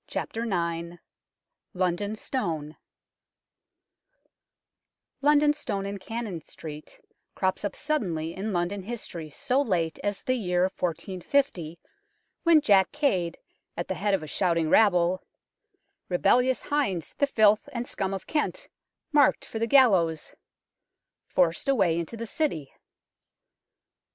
IX LONDON STONE LONDON Stone in Cannon Street crops up suddenly in London history so late as the year 1450, when Jack Cade, at the head of a shouting rabble " Rebellious hinds, the filth and scum of Kent, Mark'd for the gallows " forced a way into the City.